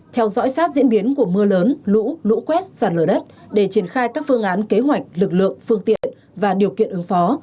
theo dõi sát diễn biến của mưa lớn lũ lũ quét sạt lở đất để triển khai các phương án kế hoạch lực lượng phương tiện và điều kiện ứng phó